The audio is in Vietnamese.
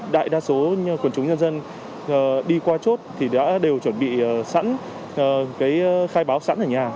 đại đa số quần chúng nhân dân đi qua chốt thì đã đều chuẩn bị sẵn khai báo sẵn ở nhà